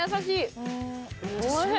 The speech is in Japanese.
おいしい！